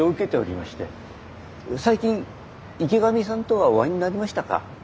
最近池上さんとはお会いになりましたか？